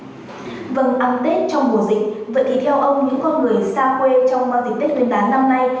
vậy thì theo ông những con người xa quê trong dịch tết lên đán năm nay